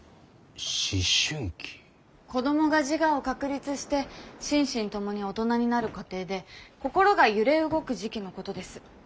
子どもが自我を確立して心身ともに大人になる過程で心が揺れ動く時期のことです。